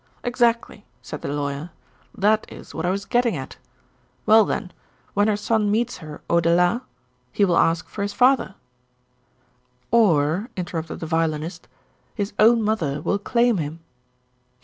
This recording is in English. "Exactly," said the Lawyer, "that is what I was getting at. Well then, when her son meets her au dela he will ask for his father " "Or," interrupted the Violinist, "his own mother will claim him."